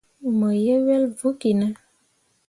Mo ye wel vokki ne.